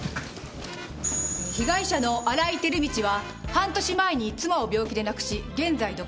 被害者の荒井輝路は半年前に妻を病気で亡くし現在独身。